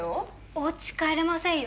おうち帰れませんよ